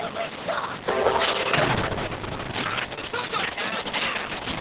マズそうとはなんだ！